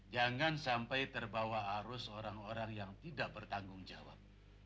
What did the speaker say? jangan sampai terbawa arus orang orang yang tidak bertanggung jawab